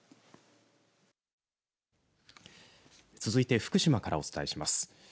続いて、福島からお伝えします。